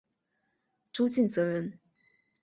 朱敬则人。